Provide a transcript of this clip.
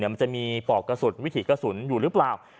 มันจะมีปอกกระสุนวิถีกระสุนอยู่หรือเปล่า